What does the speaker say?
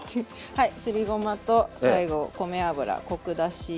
はいすりごまと最後米油コク出し